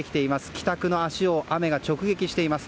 帰宅の足を雨が直撃しています。